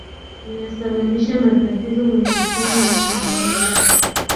inasababisha matatizo kwenye mfumo wa upumuaji